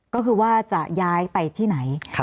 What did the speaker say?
ก็คือว่าจะย้ายไปที่ไหน